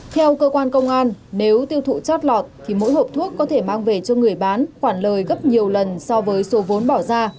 theo cơ quan công an nếu tiêu thụ chót lọt thì mỗi hộp thuốc có thể mang về cho người bán khoản lời gấp nhiều lần so với số vốn bỏ ra